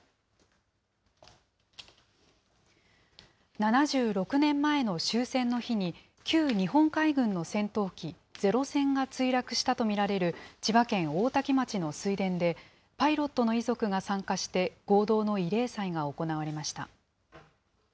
７６年前の終戦の日に、旧日本海軍の戦闘機、ゼロ戦が墜落したと見られる千葉県大多喜町の水田で、パイロットの遺族が参加して、合同の慰霊祭が行われました。